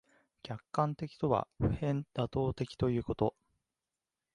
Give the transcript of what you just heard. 客観的とは普遍妥当的ということである。